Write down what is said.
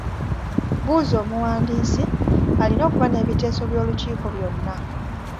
Buuza omuwandiisi, alina okuba n'ebiteeso by'olukiiko byonna.